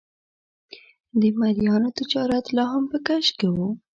د مریانو تجارت لا هم په کش کې و.